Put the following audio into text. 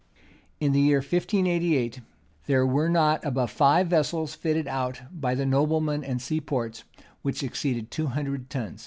[*] In the year 1588, there were not above five vessels fitted out by the noblemen and seaports, which exceeded two hundred tons.